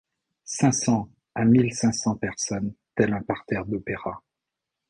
Cinq cents à mille-cinq-cents personnes, tel un parterre d'Opéra.